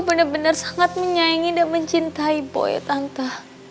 bener bener sangat menyayangi dan mencintai boy tante